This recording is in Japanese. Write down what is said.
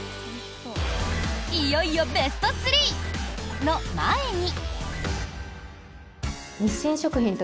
いよいよベスト３、の前に！